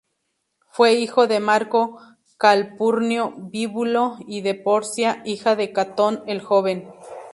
Fue hijo de Marco Calpurnio Bíbulo y de Porcia, hija de Catón el Joven.